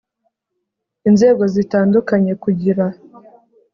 inzego zitandukanye kugira